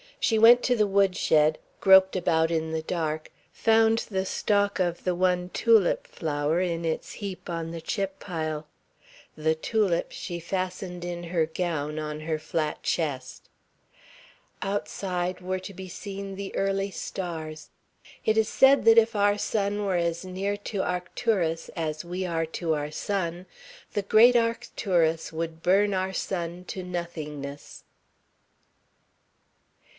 She went to the wood shed, groped about in the dark, found the stalk of the one tulip flower in its heap on the chip pile. The tulip she fastened in her gown on her flat chest. Outside were to be seen the early stars. It is said that if our sun were as near to Arcturus as we are near to our sun, the great Arcturus would burn our sun to nothingness.